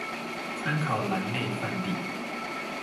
參考欄內範例